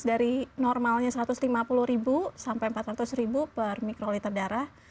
dari normalnya satu ratus lima puluh ribu sampai empat ratus ribu per mikroliter darah